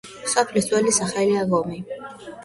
სოფლის ძველი სახელია გომი.